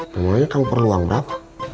mulanya kamu perlu uang berapa